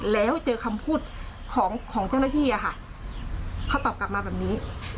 แล้วเจอคำพูดของของเจ้าหน้าที่อะค่ะเขาตอบกลับมาแบบนี้